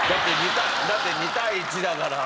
だって２対１だから。